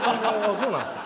そうなんですか？